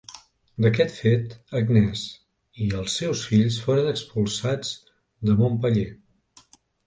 D'aquest fet, Agnès i els seus fills foren expulsats de Montpeller.